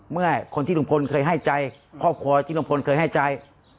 เมื่อคนที่ลุงพลเคยให้ใจครอบครัวที่ลุงพลเคยให้ใจ